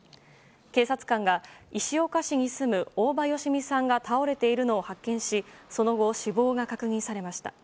警察官が石岡市に住む大場好美さんが倒れているのを発見し、その後死亡が確認されました。